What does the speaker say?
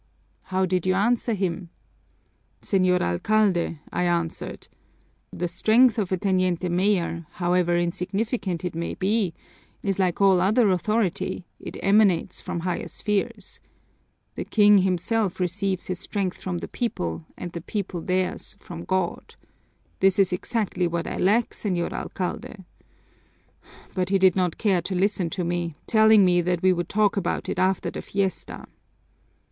"How did you answer him?" "'Señor Alcalde,' I answered, 'the strength of a teniente mayor, however insignificant it may be, is like all other authority it emanates from higher spheres. The King himself receives his strength from the people and the people theirs from God. That is exactly what I lack, Señor Alcalde.' But he did not care to listen to me, telling me that we would talk about it after the fiesta."